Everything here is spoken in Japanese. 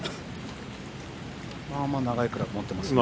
長いクラブ持ってますね。